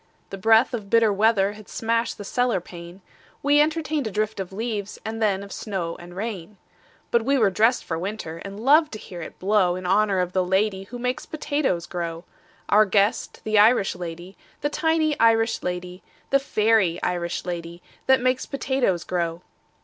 The breath of bitter weather Had smashed the cellar pane: We entertained a drift of leaves And then of snow and rain. But we were dressed for winter, And loved to hear it blow In honor of the lady Who makes potatoes grow Our guest, the Irish lady, The tiny Irish lady, The fairy Irish lady That makes potatoes grow.